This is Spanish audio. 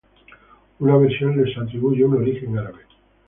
Una versión los atribuye un origen árabe.